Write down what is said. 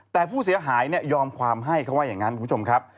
แต่ผู้เสียหายยอมความให้เขาว่าอย่างนั้นคุณผู้ชมครับ